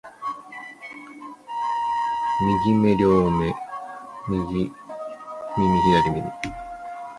不如纹个“有艾滋”这不比纹什么都强